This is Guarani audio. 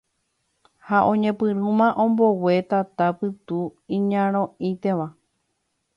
Ha oñepyrũma ombogue tata pytu iñarõitéva